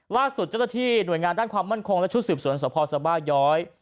ล่าสุดเจ้าหน้าที่หน่วยงานด้านความมั่นคงและชุดสืบสวนสภสบาย้อย